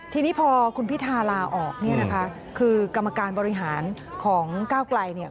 ทีนี้พอคุณพิธาลาออกคือกรรมการบริหารของก้าวกล่าย